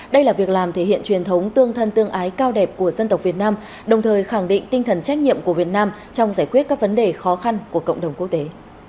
đây là việc làm thể hiện truyền thống tương thân tương ái cao đẹp của dân tộc việt nam đồng thời khẳng định tinh thần trách nhiệm của việt nam trong giải quyết các vấn đề khó khăn của cộng đồng quốc tế